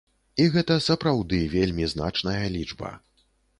І гэта сапраўды вельмі значная лічба.